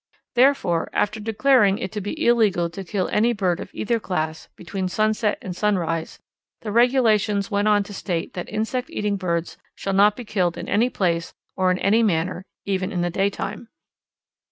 Therefore, after declaring it to be illegal to kill any bird of either class between sunset and sunrise, the regulations went on to state that insect eating birds shall not be killed in any place or in any manner, even in the daytime.